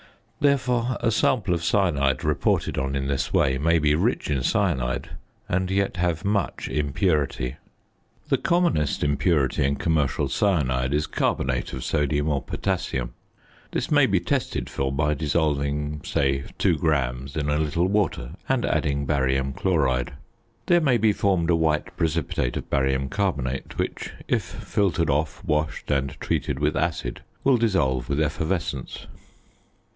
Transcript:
Therefore a sample of cyanide reported on in this way may be rich in cyanide, and yet have much impurity. The commonest impurity in commercial cyanide is carbonate of sodium or potassium. This may be tested for by dissolving, say, 2 grams in a little water and adding barium chloride. There may be formed a white precipitate of barium carbonate, which if filtered off, washed and treated with acid, will dissolve with effervescence.